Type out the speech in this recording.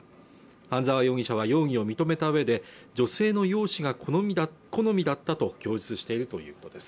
半沢容疑者は容疑を認めたうえで女性の容姿が好みだったと供述しているということです